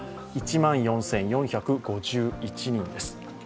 １万４４５１人です。